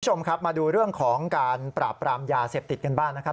คุณผู้ชมครับมาดูเรื่องของการปราบปรามยาเสพติดกันบ้างนะครับ